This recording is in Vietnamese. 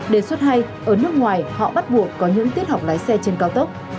đề xuất hay ở nước ngoài họ bắt buộc có những tiết học lái xe trên cao tốc